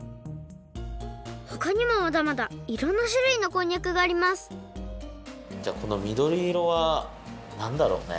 ほかにもまだまだいろんなしゅるいのこんにゃくがありますじゃあこのみどりいろはなんだろうね？